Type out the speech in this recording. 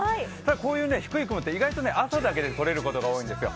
こういう低い雲って意外と朝だけでとれることが多いんですよ。